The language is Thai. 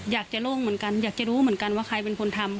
อยากจะโล่งเหมือนกันอยากจะรู้เหมือนกันว่าใครเป็นคนทำ